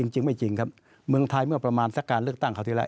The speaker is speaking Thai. จริงไม่จริงครับเมืองไทยเมื่อประมาณสักการเลือกตั้งคราวที่แล้ว